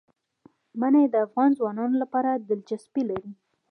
منی د افغان ځوانانو لپاره دلچسپي لري.